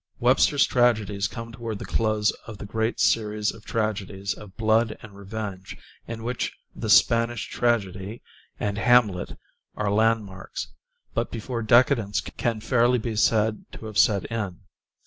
Webster's tragedies come toward the close of the great series of tragedies of blood and revenge, in which "The Spanish Tragedy" and "Hamlet" are landmarks, but before decadence can fairly be said to have set in.